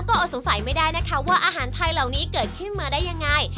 ก็อดสงสัยไม่ได้นะคะว่าอาหารไทยเหล่านี้เกิดขึ้นมาได้ยังไง